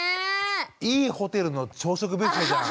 いいホテルの朝食ビュッフェじゃん。